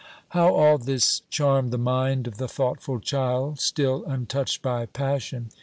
"How all this charmed the mind of the thoughtful child, still untouched by passion!